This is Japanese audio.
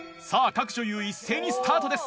各女優一斉にスタートです！